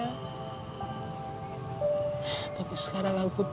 walaupun hati aku ini sedih kamu gak ada